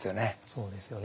そうですよね。